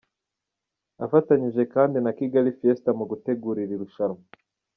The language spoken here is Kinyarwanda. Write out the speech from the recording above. Afatanyije kandi na Kigalifiesta mu gutegura iri rushanwa.